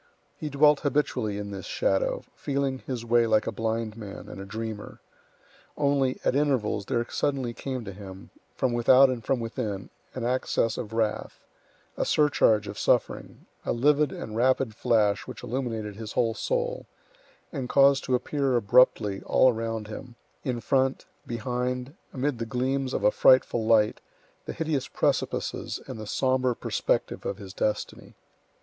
He dwelt habitually in this shadow, feeling his way like a blind man and a dreamer. Only, at intervals, there suddenly came to him, from without and from within, an access of wrath, a surcharge of suffering, a livid and rapid flash which illuminated his whole soul, and caused to appear abruptly all around him, in front, behind, amid the gleams of a frightful light, the hideous precipices and the sombre perspective of his destiny.